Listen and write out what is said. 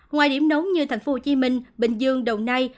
ngoài điểm nóng như tp hcm bình dương đồng nai